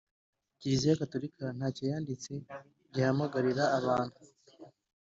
kiliziya gatolika ntacyo yanditse gihamagarira abantu